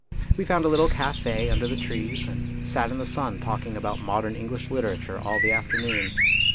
We found a little cafe under the trees, and sat in the sun talking about modern English litera ture all the afternoon.